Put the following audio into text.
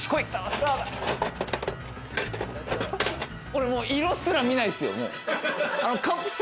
俺、もう、色すら見ないっすよ。